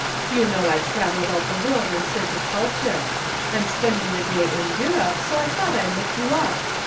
You know I travel about the world in search of culture. I'm spending the day in Europe, so I thought I'd look you up.